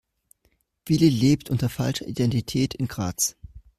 Willi lebt unter falscher Identität in Graz.